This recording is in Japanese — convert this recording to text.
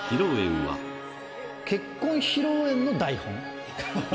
結婚披露宴の台本。